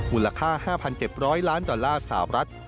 มูลค่า๕๗๐๐ล้านดอลลาร์สาวรัฐ